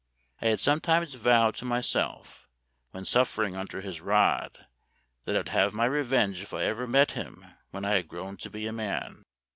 I had sometimes vowed to my self, when suffering under his rod, that I would have my revenge if I ever met him when I had grown to be a man.